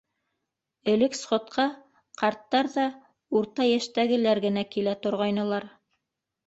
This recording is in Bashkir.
Элек сходҡа ҡарттар ҙа урта йәштәгеләр генә килә торғайнылар.